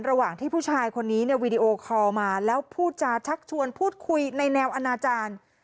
ระหว่างที่ผู้ชายคนนี้เนี่ยวีดีโอคอลมาแล้วพูดจาชักชวนพูดคุยในแนวอนาจารย์